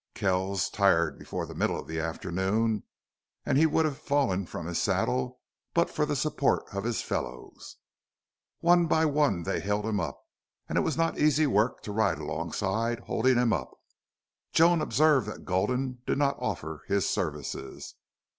Kells, tired before the middle of the afternoon, and he would have fallen from his saddle but for the support of his fellows. One by one they held him up. And it was not easy work to ride alongside, holding him up. Joan observed that Gulden did not offer his services.